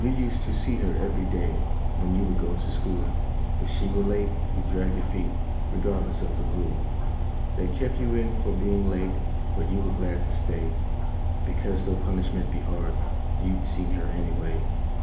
USED to see her every day when you would go to school; If she were late you'd drag your feet, re¬ gardless of the rule That kept you in for being late, but you were glad to stay, Because though pun¬ ishment be hard, you'd seen her, anyway.